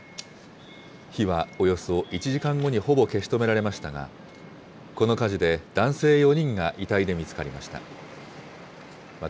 火はおよそ１時間後にほぼ消し止められましたが、この火事で男性４人が遺体で見つかりました。